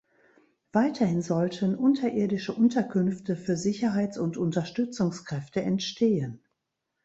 Weiterhin sollten unterirdische Unterkünfte für Sicherheits- und Unterstützungskräfte entstehen.